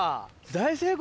大成功。